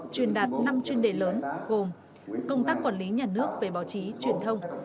truyền đạt năm chuyên đề lớn gồm công tác quản lý nhà nước về báo chí truyền thông